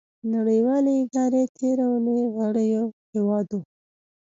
نړیوالې ادارې تیره اونۍ غړیو هیوادو